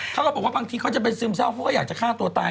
เขาก็บอกว่าบางทีเขาจะเป็นซึมเศร้าเขาก็อยากจะฆ่าตัวตาย